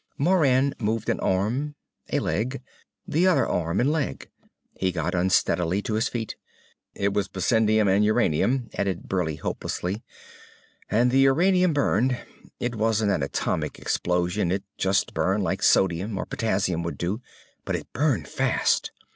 Moran moved an arm. A leg. The other arm and leg. He got unsteadily to his feet. "It was bessendium and uranium," added Burleigh hopelessly. "And the uranium burned. It wasn't an atomic explosion, it just burned like sodium or potassium would do. But it burned fast!